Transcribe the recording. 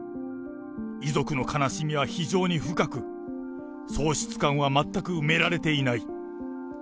遺族の悲しみは非常に深く、喪失感は全く埋められていない。